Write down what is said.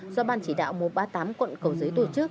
do ban chỉ đạo một trăm ba mươi tám quận cầu giấy